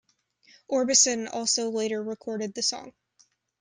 Orbison also later recorded the song.